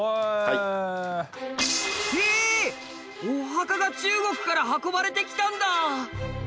お墓が中国から運ばれてきたんだ。